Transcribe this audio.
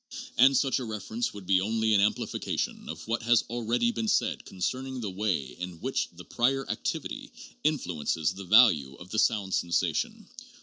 And such a reference would be only an amplification of what has already been said concerning the way in which the prior activity influences the value of the sound sensation.